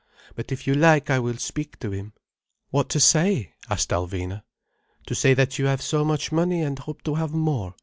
But if you like I will speak to him—" "What to say?" asked Alvina. "To say that you have so much money, and hope to have more.